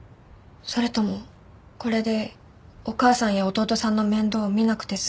それともこれでお母さんや弟さんの面倒を見なくて済むと思ったのかな？